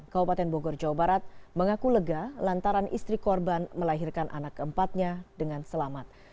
kabupaten bogor jawa barat mengaku lega lantaran istri korban melahirkan anak keempatnya dengan selamat